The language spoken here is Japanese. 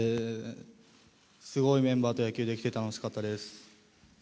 すごいメンバーと野球できて楽しかったです。